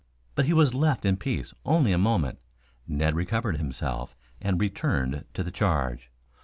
But he was left in peace only a moment. Ned recovered himself and returned to the charge.